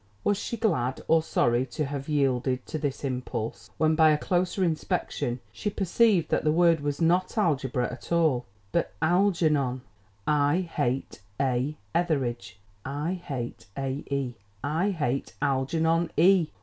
Was she glad or sorry to have yielded to this impulse, when by a closer inspection she perceived that the word was not ALGEBRA at all, but ALGERNON, I HATE A ETHERIDGE. I HATE A. E. I HATE ALGERNON E.